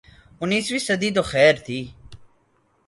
انیسویں صدی تو خیر تھی۔